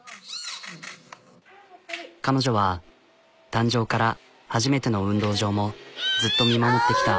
彼女は誕生から初めての運動場もずっと見守ってきた。